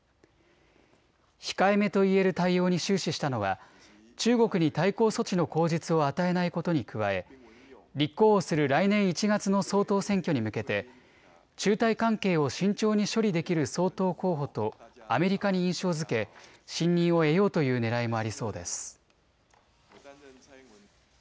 控えめといえる対応に終始したのは中国に対抗措置の口実を与えないことに加え立候補する来年１月の総統選挙に向けて中台関係を慎重に処理できる総統候補とアメリカに印象づけ信任を得ようというねらいもありそうです。